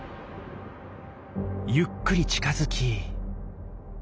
ゆっくり近づき。